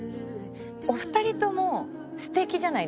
お二人とも素敵じゃないですか。